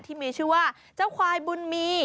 ที่มีชื่อว่าเจ้าควายบุญมี